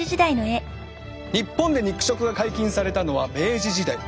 日本で肉食が解禁されたのは明治時代。